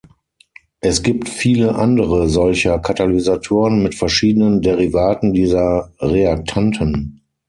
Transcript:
Es gibt viele andere solcher Katalysatoren mit verschiedenen Derivaten dieser Reaktanten.